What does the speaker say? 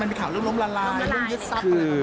มันเป็นข่าวเรื่องล้มละลายเรื่องยึดซับอะไรแหละครับ